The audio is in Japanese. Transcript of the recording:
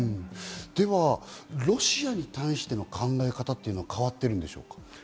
では、ロシアに対しての考え方は変わっているんですか？